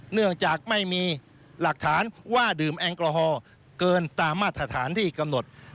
เนื่องจากไม่มีหลักฐานว่าดื่มแอลกอฮอล์เกินตามมาตรฐานที่กำหนด